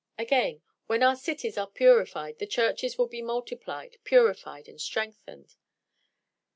Again: when our cities are purified the churches will be multiplied, purified, and strengthened.